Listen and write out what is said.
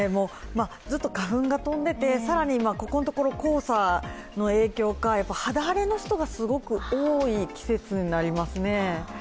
ずっと花粉が飛んでいて、ここのところ、黄砂の影響か肌荒れの人がすごく多い季節になりますね。